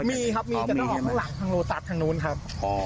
มีครับมีจะต้องออกข้างหลังทางโลตัสทางนู้นครับ